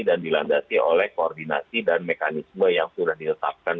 dan dilandasi oleh koordinasi dan mekanisme yang sudah diletakkan